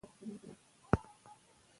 روبوټونه د فابریکو په کارونو کې مرسته کوي.